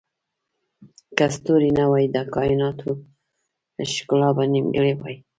که ستوري نه وای، د کایناتو ښکلا به نیمګړې وای.